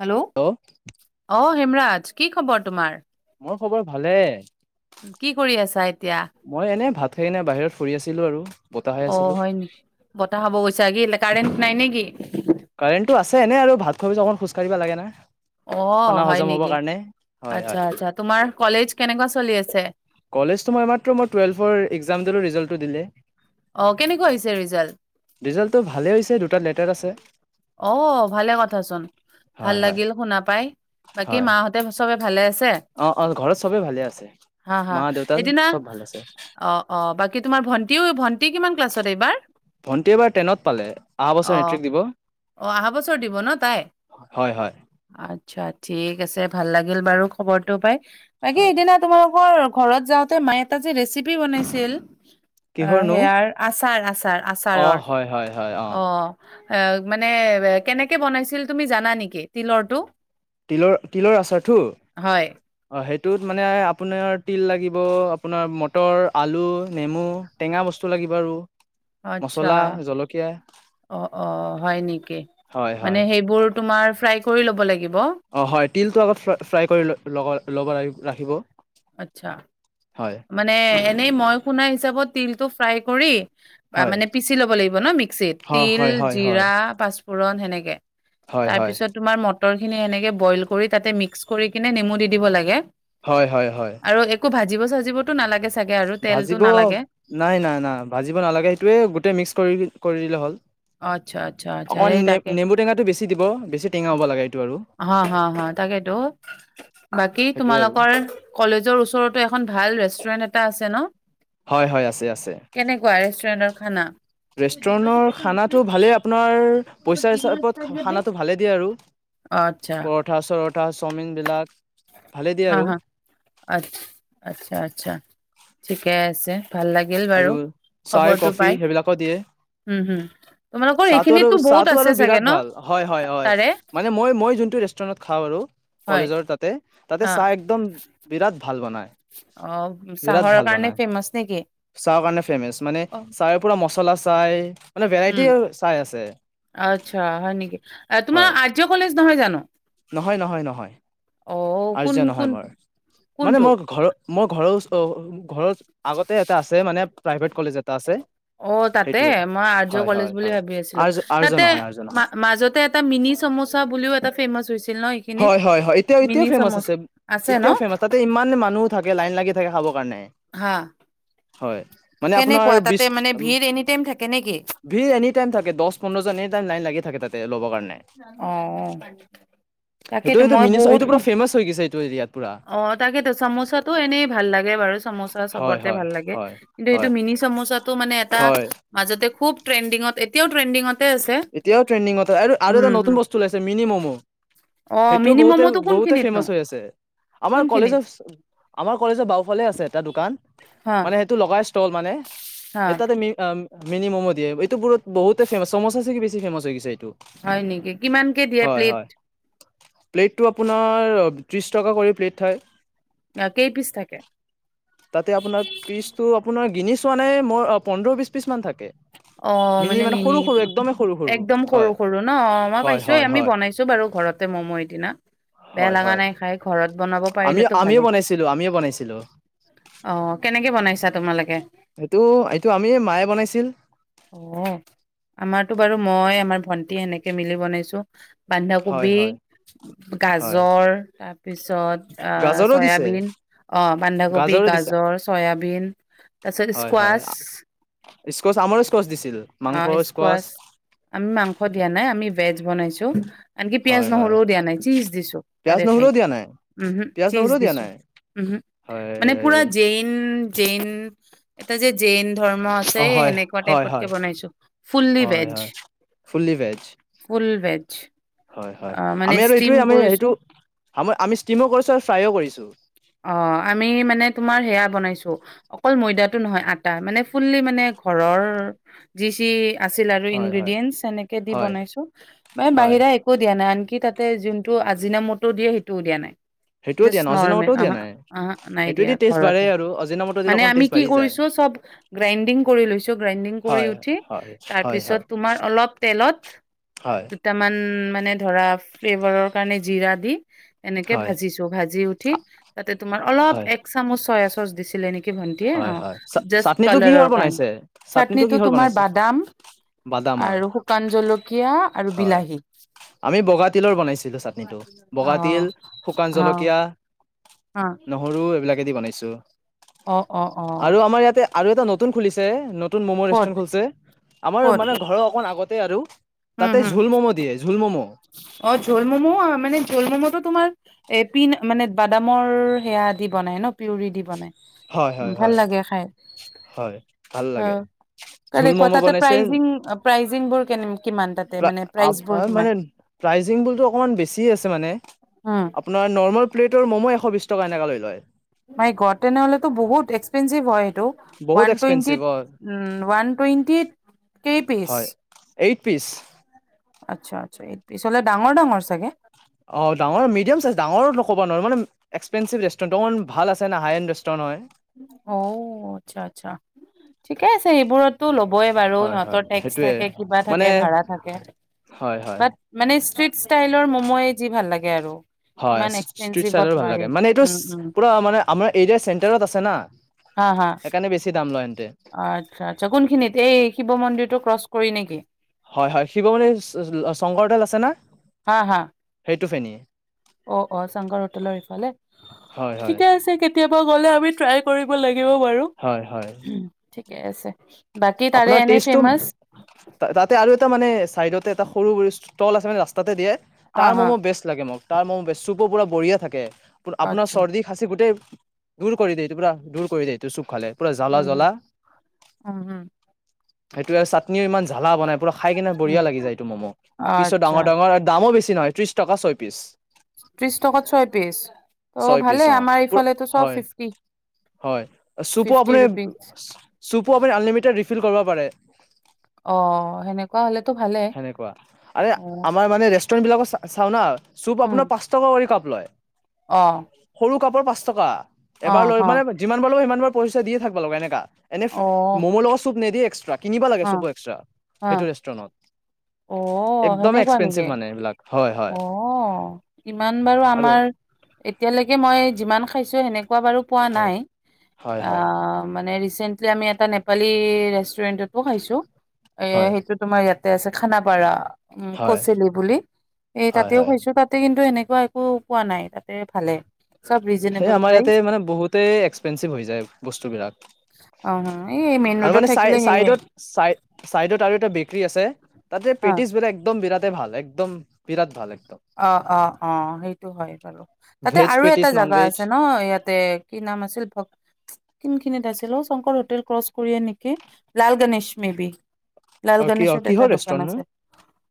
Hello অহ হেমৰাজ কি খবৰ তোমাৰ মোৰ খবৰ ভালে চাই মই এনে ভাত খাই এনে বাহিৰত ফুৰি আছিলো আৰু বতাহ খাই অ আছিলো হয় নি বতাহ খাব গৈছা কি কাৰেণ্ট নাই নেকি কৰোৰেণ্টটো আছে এনে আৰু ভাত খোৱাৰ পিছত অকণ খোজ কাঢ়িব লাগে অ ন হয় হজম হবৰ নেকি কাৰণে হয় আচ্ছা হয় আচ্ছা তোমাৰ কলেজ কেনেকুৱা চলি আছে কলেজতো মই মাত্ৰ মোৰ টোৱেলভৰ এক্সামটোৰ ৰিজাল্টৰ দিলে অ কেনেকুৱা হৈছে ৰিজাল্ট ৰিজাল্টটো ভালেই হৈছে দুটাত লেটাৰ আছে অ ভালে কথা চোন ভাল হয় হয় লাগিল শুনা পাই বাকী হয় মাহঁতে চবে ভালে অ অ ঘৰত চবে ভালে আছে হা হা মা দেউতা সেইদিনা চব ভাল আছে অ অ বাকী তোমাৰ ভণ্টিও ভন্টি কিমান ক্লাছত এইবাৰ? ভণ্টি এইবাৰ টেনত পালে অহা অ বছৰ মেট্ৰিক দিব অ অহা বছৰ দিব ন তাই হয় হয় আচ্ছা ঠিক আছে ভাল লাগিল বাৰু খবৰটো পাই একেই হয় সিদিনা তোমালোকৰ ঘৰত যাওঁতে মায়ে এটা যে ৰেচিপি বনাইছিল কিহৰনো আছাৰ আছা তাৰ আচাৰৰ অ অ মানে কেনেকে বনাইছিল তুমি জানা নেকি তিলৰটো তিলৰ তিলৰ আচাৰটো হয় অ সেই সিটোত মানে আপোনাৰ তিল লাগিব আপোনাৰ মটৰ আলু নেমু টেঙা বস্তু লাগিব আৰু আচ্ছা মচলা জলকীয়া অ অ হয় নেকি হয় মানে হয় সেইবোৰ তোমাৰ ফ্ৰাই কৰি ল'ব লাগে দিব অ হয় তিলটো আগত ফ্ৰা ফ্ৰাই কৰি ল'ব লাগ ৰাখিব আচ্ছা হয় মানে এনেই মই শুনা হিচাপত তিলটো ফ্ৰাই কৰি বা হয় মানে পিচি ল'ব লাগিব ন মিক্সিত হয় তিল হয় হয় হয় জিৰা পাঁচ পুৰণ সেনেকে হয় তাৰ হয় পিছত তোমাৰ মত মটৰ খিনি এনেকে বইল কৰি তাতে মিক্স কৰি কিনে নেমু দি দিব লাগে হয় হয় হয় আৰু একো ভাজিব চাজি দিবতো নালাগে ভাজিব নাই নাই নাই ভাজিব নালাগে সেইটোয়ে গোটেই মিক্স কৰি কৰি দিলে হ'ল আচ্ছা আচ্ছা আচ্ছা অকণমান এই নে তাকে নেমু টেঙাটো বেছি দিব বেছি টেঙা হ'ব লাগে এইটো আৰু অ হা হা তাকেতো বাকী সেইটোৱে আৰু তোমালোকৰ কলেজৰ ওচৰতো এখন ভাল ৰেষ্টুৰেণ্ট এখন এটা আছে ন হয় হয় আছে আছে কেনেকুৱা ৰেষ্টুৰেন্টৰ খানা ৰেষ্টুৰেণ্টৰ খানাত আ পি খ ভাল দি আৰু আচ্ছা পঠা চাওমিন বিলাক আহ হা আ আচ্ছা আচ্ছা ঠিকেই আছে ভাল লাগিল বাৰু আৰু চাহ খবৰটো কফি পাই সেইবিলাকো দিয়ে উম হম তোমালোকৰ চাহটো আৰু এইখিনিতো বহুত চাহটো আছে আৰু চাগে বিৰাট ন ভাল হয় হয় হয় তাৰে মানে মই মই যোনটো ৰেষ্টুৰেণ্টত খাওঁ আৰু হয় কলেজৰ তাতে তাতে হা চাহ একদম বিৰাট ভাল বনায় অ বিৰাট চাহৰৰ ভাল কাৰণে বনায় ফেমাচ নেকি চাহৰ কাৰণে ফেমাচ মানে অ চাহৰ পৰাৰা মচলা চাই মানে ভেৰাইটি উম চাই আছে আচ্ছা হয় নেকি তোমাৰ হয় আৰজ কলেজ নহয় জানো নহয় নহয় নহয় অ কোন আৰ্য নহয় কোন মোৰ মানে কোনটো মই ঘৰ মই ঘৰৰ ওচ অ ঘৰত আগতে এটা আছে মানে প্ৰাইভেট কলেজ এটা আছে অ তাতে সেইটোৱে মই আৰ্য হয় কলেজ হয় বুলি হয় ভাবি আছিলো আৰ্য আৰ্য তাতে নহয় আৰ্য নহয় মাজতে এটা মিনি চামোচা বুলিও ত ফেমছ হৈছেছে হয় হয় হয় এতিয়াও এতিয়াও ফেমাচ আছে আছে ন এতিয়াও ফেমাচ তাতে ইমান মানুহ থাকে লাইন লাগি থাকে খাব হয় নে হা হয় মানে আপোনাৰ কেনেকুৱা বি তাতে মানে ভিৰ এনি টাইম থাকে নেকি? ভিৰ এনি টাইম থাকে দহ পোন্ধৰ জন এনি টাইম লাইন লাগি থাকে তাত আহ সেইটোটো ম সেইটো পুৰা ফেমচ হৈ গৈছে এইটো [inaudible] [unintelligible] অ তাকেতো চামোচাটো এনেই ভাল লাগে বাৰু চামোচা হয় চবতে হয় ভাল লাগে হয় কিন্তু এইটো হয় মিনি চামুচা টো মানে এটা হয় মাজতে খুব ট্ৰেণ্ডিঙত এতিও ট্ৰেণ্ডিঙত এতিয়াও ট্ৰেণ্ডিঙত আৰু এটা নতুন হুম। বস্তু ওলাইছে মিনি ম'মো অ', সেইটোও মিনি বহুতে ম'ম'টো বহুতে কোনখিনিতনো ফেমাচ হৈ আছে আমাৰ কোনখিনিত কলেজৰ আমাৰ কলেজৰ বাওফালে আছে এটা দোকান হা মানে সেইটো লগা ত মানে হা সেই তাতে মিনি ম'মো দিয়ে এইটোৰত বহুতে ফেমা চমো বেছি ফেমাচ হৈ গৈছে এইটো হয় নেকি কিমানকে দিয়ে হয় প্লেট হয় প্লেটটো আপোনাৰ ত্ৰিশ টকা কৰি প্লেট ঠাই অ কেই পিচ থাকে তাতে আপোনাৰ পিচটো আপোনাৰ কিনি চোৱা নাই মোৰ পোন্ধৰ বিশ পিচ মান থাকে অ মানে সৰু মিনি সৰু একদমেই সৰু সৰু একদম সৰু হয় সৰু ন অ মই হয় পাইছোই হয় আমি হয় বনাইছো বাৰু ঘৰতে মম' সেদিনা বেয়া হয় লগা হয় নাই খাই ঘৰত বনাব আমি পাৰিলেতো আমিয়ে ভালেই বনাইছিলো আমিয়ে বনাইছিলো অ কেনেকে বনাইছা? তোমালোকে সেইটো এইটো আমি মায়ে বনাইছিল অ আমাৰতো বাৰু মই আমাৰ ভন্টি এনেকে মিলি বনাইছো হয় বন্ধাকবি হয় হয় গাজৰ তাৰপিছত গাজৰো দিছে চয়াবিন অ বন্ধাকবি গাজৰো দিছে গাজৰ চয়াবিন তাৰপিছত হয় হয় স্কোৱাছ স্কচ আমৰো স্কচ দিছিল অ মাংস স্কচ ইস্কছ, অ আমি মাংস দিয়া নাই, আমি ভেজ বনাইছো শাইছো [unintelligible] আনকি পিয়াজ হয় হয় নহৰুও দিয়া নাই চিজ দিছো পিয়াজ তাৰে নহৰুও ঠাইত দিয়া নাই উম হম পিয়াজ চিজ নহৰুও দিয়া দিছো নাই উম‌হম হয় মানে পুৰা জেইন চেইন এটা যে জেইন ধৰ্ম আছে অ হয় সেনেকে হয় কে হয় বনাইছো ফুলী হয় ভেগ হয় ফুল্লি ভেজ ফুল ভেজ হয় অ মানে আমি আৰু ষ্টিম এইটোৱে আমি কৰিছো সেইটো আ আমি ষ্টিমো কৰিছোঁ আৰু ফ্ৰাইো কৰিছোঁ অ আমি মানে তোমাৰ সেয়া বনাইছো অকল ময়দাতটো নহয় আটা মানে ফুল্লি মানে ঘৰৰ যি যি আছিল আৰু হয় হয় ইনগ্ৰেডিয়েন্টছ এনেকে দি হয় বনাইছো ম হয় বাহিৰা একো দিয়া নাই আনি কি তাতে যোনটো আজিনামতো দিয়ে সেইটোও দিয়া নাই সেইটো দিয়া অজিনামতো আহ আহ নাই দিয়া ঘৰতে আৰু অজিনামটো দিলে মানে অকণ আমি টেষ্ট কি বাঢ়ি যায় কৰিছো চব গ্ৰাইণ্ডিং কৰি লৈছো গ্ৰাইডিং কৰি হয় উঠি হয় হয় তাৰপিছত হয় তোমাৰ অলপ তেলত হয় দুটামান মানে ধৰা ফ্লেভাৰৰ কাৰণে জিৰা দি অনেক হয় ভাজিছো ভাজি উঠি তাতে তোমাৰ অলপ এক চামুচ চয়া চচ দিছিলে এনেক হয়-হয় চা চটনিটো কিহৰ কাৰণে বনাইছে চাটনিটো কিহৰ তোমাৰ বনাইছে বাদাম বাদামৰ, আৰু শুকান জলকীয়া আৰু হয় বিলাহী আমি বগা তিলৰ বনাইছিলো চাত্নিটো বগা অ তিল শুকান অ জলকীয়া নহৰু এইবিলাক। ফেদি বনাইছো। অ অ', অ'। আৰু আমাৰ ইয়াতে আৰু এটা নতুন খুলিছে নত নতুন ম'ম ক'ত ৰেষ্টুৰেণ্ট খুলছে, আমাৰ ক'ত মানে ঘৰৰ অকণ আগতে আৰু। উম তাতে হম জোল ম'ম দিয়ে জোল ম'ম। অ', জোল ম'ম মানে জোল ম'মটো তোমাৰ এপিন মানে বাদামৰ সেয়া দি বনাই ন পিয়ৰি দি বনাই। হয় হয় ভাল হয় লাগে খাই, হয় ভাল লাগে অ', কলে জোল ক ম'ম' তাতে বনাইছে প্ৰাইজিং প্ৰাইজিংবোৰ কেনেম কিমান তাত। ত্যা আও অ', মানে প্ৰাইজিংবোৰটো অকমান বেছি আছে মানে উম আপোনাৰ নৰ্মাল প্লেটৰ ম'ম' এশবিছটকা এনেকে লয়। মাই গঢড তেনেহ'লেতে বহুত এক্সপেঞ্চিভ হয়। তে বহুত এক্সপেঞ্চিভ ওৱানটৱেণ্টিত, হয় উম ওৱানটৱেণ্টিত হয়, এইট পিচ। আচ্ছা, আচ্ছা এইট পিচলে ডাঙৰ ডাঙৰ চাগে। অ', ডাঙৰ মেদিয়াম চাইজ, ডাঙৰো ন কবা নোৱাৰোঁ মানে এক্সপেনচিভ ৰেষ্টুৰেণ্ট অকন ভাল আছে না হাইন ৰেষ্টৰেণ্ট হয়। অও, আচ্ছা, আচ্ছা ঠিকেই আছে এইবোৰাটটো ল'ব বৈয়ে বাৰু, হয় হয় সিহঁতৰ টেক্স সেইটোৱে থাকে কিবা মানে থাকে ভৰা থাকে, হয় হয় বাত মানে চ ফিক্স ষ্টাইলৰ মোম'ই যি ভাল লাগে আৰু। হয়, ইমান চি- চি, এক্সপেঞ্চিভত স্ত্ৰীটচাইডৰো ভাল নোৱাৰি লাগে, মানে এইটোচ উম উম পৰা মানে আমাৰ এইৰে চেণ্টাৰত আছে। চেনা। সেইকাৰণে বেছি দাম লয়েন। অ', আচ্ছা-আচ্ছা, কোনখিনিত এই শিৱ মন্দিৰটো ক্ৰচ কৰি নিকি? হয়, হয়, শিৱমন্দিচ অ' সংকৰ্দাল আছে না? হা-হা। এইটো ফেনিয়ে। অ অ চাংগৰ হোটেলৰ ইফালে হয় হয় ঠিকে আছে। কেতিয়াবা গ'লে আমি ট্ৰাই কৰিব লা। কিয় বাৰু। হয় হয় আছে। বাকী তাৰে আপোনাৰ এনেই টেষ্টতো, ফেমাচ তাতে আৰু এটা মানে চাইডতে এটা সৰু ৰেষ্টু টল আছে মানে ৰাস্তাতে দিয়ে। অ তাৰ হা ম'ম বেষ্ট লাগে মোক। তাৰ ম'ম বেষ্ট, চুপো পোৰা বঢ়িয়া থাকে। আপোনাৰ আচ্ছা চৰ্দি খাচি গোটেই দূৰ কৰি দে, এইটো পুৰা দোৰ কৰি দে, এইটো চুপ খালে। পুৰা উম! জ্বালা উম! উম! উম! সেইটোৱে চাটনিও ইমান জালা বনাই পুৰা খায় কেনে উম বঢ়িয়া লাগি যায় এইটো ম'ম। পিচো আচ্ছা ডাঙৰ, ডাঙৰ আৰু দামো বেছি। নহয়, ত্ৰিশ টকা ছয় পিছ। ত্ৰিশ টকাত ছয় পিচ। অ' ছয় পিচ ভালে আমাৰ পুৰা এফালেটো চব হয় ফিফটি, হয় চুপো আপুনি ফিফটি ৰুপিচ। ফিল কৰিব পাৰে। অ সেনেকুৱা হ'লে। সেনেকুৱা, আৰে আমাৰ মানে ৰেষ্টুৰেন্ট বিলাকৰ চা ছাওনা চুপ উম আপোনাৰ পাঁচ টকা কৰি কাপ। লয়। অ' সৰু কাপৰ পাঁচ টকা। অ এবাৰ লৈ হ মানে, যিমান বাৰ লৈ সিমান বাৰ পইচা দিয়ে থাকব লগা এনেকা। এনে, অ ম'ম লগত চুপ নিদিয়ে। [unintelligible] কিনিব লাগে হ চুপো এক্সট্ৰা, হ সেইটো ৰেষ্টুৰেণ্টত। একদম এক্সপেনঞ্চিভ মানে, এইবিলাক। হয় হয় অঁ! ইমান বাৰু আৰু আমাৰ এতিয়ালেকে মই যিমান পাইছো তেনেকুৱা মই বাৰু পোৱা হয় নাই। হয় অ হয় মানে ৰিচ তেন্তে আমি এটা নেপালি ৰেষ্ট। ৰেনডটো খাইছো। এ' হয় সেইটো তোমাৰ ইয়াতে আছে খানাপাৰা উম হয় কচেলি বুলি। এই হয় তাতেই হয় শুইছো তাতেই। কিন্তু এনেকুৱা একো পোৱা নাই তাতে ভালেই। হে আমাৰ ইয়াতে মানে বহুতে এক্সপেঞ্চেভ হৈ যায় বস্তু বিলাক অ', এই মেইন আৰু ৰোডত মানে চাই থাকিলে চাই সেয়ে চাইড চাইডত আৰু এটা বেকীৰ আছে। তাতে অ', পেট্ৰিছ বিলাক একদম বিৰাত। তাতে ভাল একদম বিৰাট ভাল এক অ অ অ সেইটো হয় বাৰু তাতে ভেজ আৰু এটা পেটিছ জা। নন কিবা ভেজ আছে ন ইয়াতে কি নাম আছিল ভক চিং খিনি। আছিলো শংকৰ হোটেল ক্ৰছ কৰি নেকি লাল গণেশ মে বি। লাল অ কিয় গণেশত এটা কিহৰ দোকান ৰেষ্টুৰেণ্টনো আছে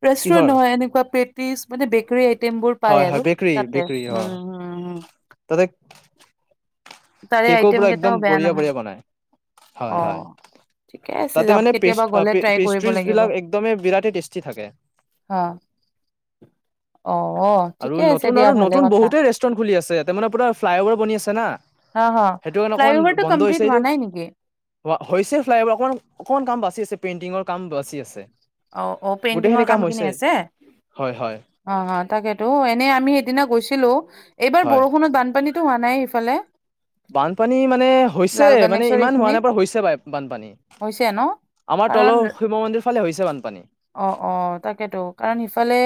ৰেষ্টুৰেট কিহৰ নহয় এনেকুৱা পেটিছ মানে বেক্। টেম্বোৰ পাই হয় হয় আৰু বেকৰী তাতে বেকৰী উ হয় উ উ তাতে কেকো বোলে একদম বেয়া বঢ়িয়া নহয় বঢ়িয়া বনায় হয় অ হয় ঠিকে আছে যাম তাতেমানে পেছ কেতিয়াবা গ'লে পেছ ট্ৰাই কৰিব পেছটিচ্ লাগিব বিলাক বিৰাতেই টেষ্টি থাকে হা অ অ আৰু ঠিকে আছে নতুন দিয়া আৰু ভালে নতুন কথা বহুতে ৰেষ্টুৰেন খুলি আছে ইয়াতেই মানে পুৰা ফ্ৰিলাইঅভাৰ বনি আছে না হা হা হেইটো কাৰণে ফ্লাই অকমান অভাৰটো বন্ধ কমপ্লিট হৈছে হোৱা নাই নেকি ও অ হৈছে ফ্লাই অভাৰ অকমান অ। কমান কাম বাচি আছে পেইণ্টিংৰ কাম বাচি আছে অ' অ গোটেইখিনি পেণ্টিংৰ কাম কিনি হৈছে আছে হয় হয় অ অ তাকেতো এনে আমি হে না গৈছিলো এইবাৰ হয় বৰষুণৰ বানপানীতো হোৱা নাই নাই এইফালে বানপানী মানে হৈছে মানে গণেশৰ ইমান হোৱা এইখিনিত নাই পৰা হৈছে বানপানী হৈছে ন আমাৰ কাৰণ তলৰ শিৱ মন্দিৰ ফালে হৈছে বানপান অ অ তাকেতো কাৰণ হিফালে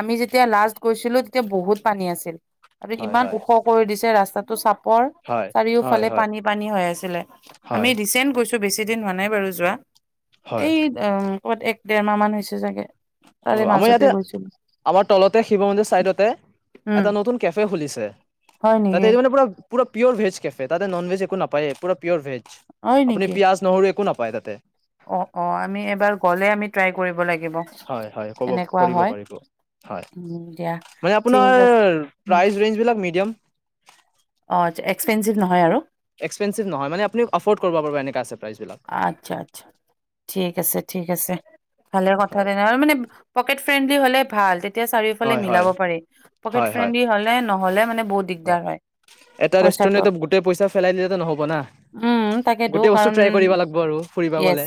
আমি যেতিয়া লাষ্ট গৈছিলো তেতিয়া বহুত পানী আছিল। তাতে হয় ইমান হয় ওখ কৰি দিছে ৰাস্তাটো টো চাপ পৰ হয় হয় চাৰিওফালে হয় পানী পানী হৈ আছিলে আমি হয় ৰিচেন্ট গৈছো বেছি দিন হোৱা নাই বাৰু যোৱা হয় এই দম উম কৈত এক ডেৰমাহ মান হৈছে চাগে অ তাৰে আমাৰ মাজতে ইয়াতে গৈছিলো আমাৰ তলতে শিৱ মন্দিৰ চাইডতে উম এটা নতুন কেফে খুলিছে হয় তাতে নেকি এই মানে পুৰা পুৰা পিয়'ভেজ কেফে তাতে ননভেজ একো নাপায়েই পুৰা পিয়'ৰ ভেজ হয় আপুনি নেকি পিয়াঁজ নহৰু একো না পাই ত অ অ আমি এবাৰ গ'লে আমি ট্ৰাই কৰিব লাগিব হয় হয় ক'ব এনেকুৱা কৰিব হয় পাৰিব হয় উম, দিয়া মই আপোনাৰ ঠিক আছে উম, প্ৰাই ৰেঞ্জবিলাক মিডিয়াম অ এক্সঞ্জ্যিভ নহয় আৰু এক্সপেঞ্চিভ নহয় মানে আুনি এফৰ্ড কৰিব পাৰ এনেকা আছে। প্ৰাইচ বিলাক আচ্ছা আচ্ছা ঠিক আছে ঠিক আছে ভালে কথা হয় এ মানে পেকেট ফ্ৰেন্দলি হ'লে ভাল তেতিয়া। এতিয়া চাৰিওফালে হয় মিলাব হয় পাৰি পকেট হয় হয় ফ্ৰেণ্ডলি হলে নহলে মানে বহুত দিগদাৰ হয় এটা পইচাটো ৰেষ্টুৰেণ্টত গোটেই পইচা পেলাই দিলেতো নহ'ব না উম তাকেতো গোটেই বস্তু কাৰণ ট্ৰাই কৰিব লাগিব আৰু ফুৰিব য়েচ গ'লে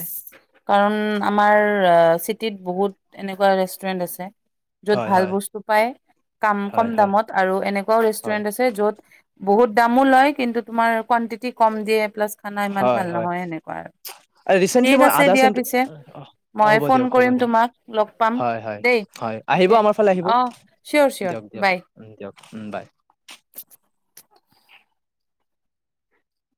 কাৰণ আমাৰ চিটিত বহুত এনেকুৱা ৰেষ্টুৰেণ্ট আছে য'ত হয় ভাল হয় বস্তু পাই কাম কম হয় হয় দামত আৰু এনেকুৱাও হয় ৰেষ্টুৰেণ্ট আছে য'ত বহুত দামো লয় কিন্তু তোমাৰ কোৱাণ্টিটি কম দিয়ে প্লাছ খানা ইমান ভাল নহয় সেনেকে এ ৰিচেণ্টলি মই আদা ছেণ্ট মই হ'ব ফোন দিয়ক হ'ব কৰিম দিয়ক তোমাক লগ পাম হয় হয় দেই হয় আহিব অকে আমাৰ ফালে আহিব অ চিয়'ৰ দিয়ক দিয়ক উম দিয়ক উ বাই মে'